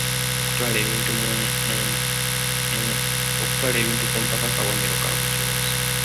Okutwala ebintu ku mpaka kabonero ka bujoozi.